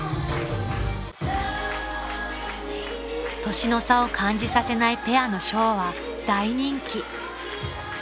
［年の差を感じさせないペアのショーは大人気］